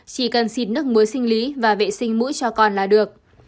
chỉ cần xịt nước muối sinh lý và vệ sinh mũi cho con là được